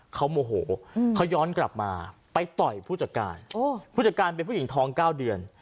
เขาโมโหเขาย้อนกลับมาไปต่อยผู้จัดการผู้จัดการเป็นผู้หญิงท้อง๙เดือน